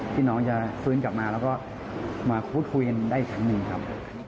ที่น้องจะฟื้นกลับมาแล้วก็มาพูดคุยกันได้อีกครั้งหนึ่งครับ